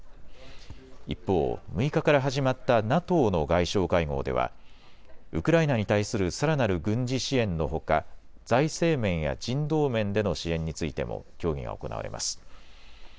一方、６日から始まったＮＡＴＯの外相会合ではウクライナに対するさらなる軍事支援のほか財政面や人道面での支援についても協議が行われます。